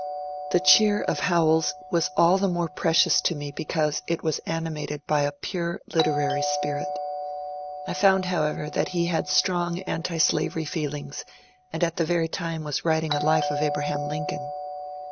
The cheer of Howells was all the more precious to me be cause it was animated by a pure literary spirit. I found, how ever, that he had strong antislavery feelings, and at that very time was writing a Life of Abraham Lincoln.